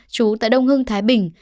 chú tại đông hưng thái bình